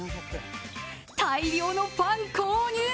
大量のパン購入。